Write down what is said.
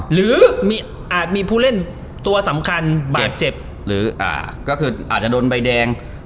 หรืออาจมีผู้เล่นตัวสำคัญบาดเจ็บหรือก็คืออาจจะโดนใบแดง